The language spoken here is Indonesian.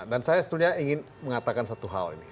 dan saya setunya ingin mengatakan satu hal ini